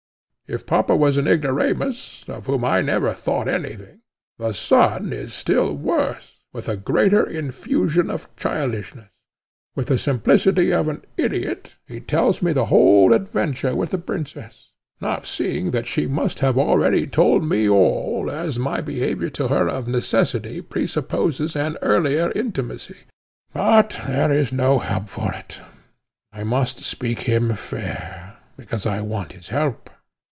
If papa was an ignoramus, of whom I never thought any thing, the son is still worse, with a greater infusion of childishness. With the simplicity of an idiot, he tells me the whole adventure with the Princess, not seeing that she must have already told me all, as my behaviour to her of necessity presupposes an earlier intimacy. But there is no help for it; I must speak him fair, because I want his help.